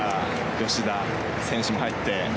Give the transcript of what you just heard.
吉田選手も入って。